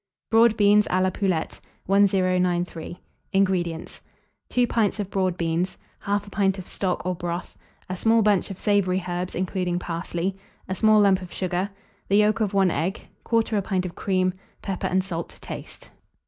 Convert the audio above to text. BROAD BEANS A LA POULETTE. 1093. INGREDIENTS. 2 pints of broad beans, 1/2 pint of stock or broth, a small bunch of savoury herbs, including parsley, a small lump of sugar, the yolk of 1 egg, 1/4 pint of cream, pepper and salt to taste.